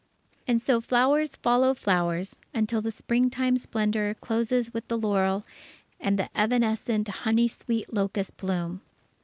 And so flowers follow flowers, until the springtime splendour closes with the laurel and the evanescent honey sweet locust bloom.